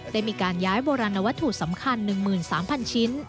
ได้มีการย้ายโบราณวัตถุสำคัญ๑๓๐๐ชิ้น